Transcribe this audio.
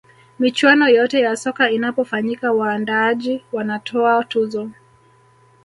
michuano yote ya soka inapofanyika waandaaji wanatoa tuzo